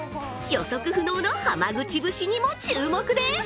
予測不能の浜口節にも注目です！